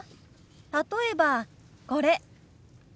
例えばこれ。